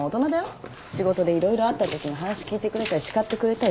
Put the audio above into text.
仕事で色々あったときに話聞いてくれたりしかってくれたりするの。